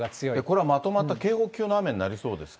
これはまとまった警報級の雨になりそうですか。